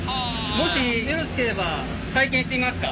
もしよろしければ体験してみますか？